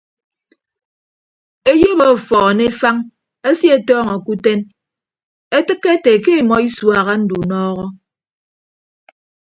Eyop ọfọọn efañ esie ọtọọñọ ke uten etịkke ete ke emọ isuaha ndunọọhọ.